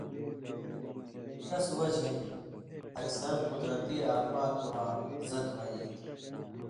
ݜَس وجہۡ ہِن اکثر قُدرتی آفاتواں زد مہ ای تُھو۔